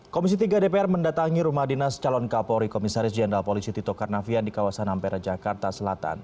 komisi tiga dpr mendatangi rumah dinas calon kapolri komisaris jenderal polisi tito karnavian di kawasan ampera jakarta selatan